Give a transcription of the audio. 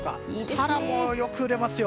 タラもよく売れますよ。